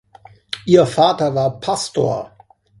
Ihr Vater war Pastor.